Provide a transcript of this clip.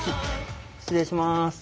失礼します。